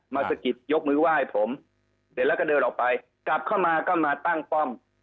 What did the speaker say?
สะกิดยกมือไหว้ผมเสร็จแล้วก็เดินออกไปกลับเข้ามาก็มาตั้งป้อม